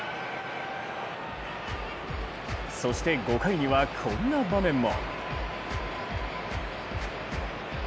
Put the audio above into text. そして５回にはこんな場面も。